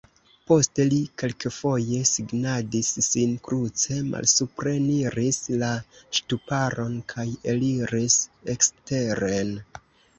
Poste li kelkfoje signadis sin kruce, malsupreniris la ŝtuparon kaj eliris eksteren.